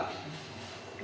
sedangkan yang rp seratus juta